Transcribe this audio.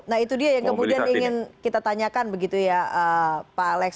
nah itu dia yang kemudian ingin kita tanyakan begitu ya pak alex